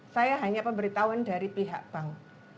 saya hanya pemberitahuan dari pihak bank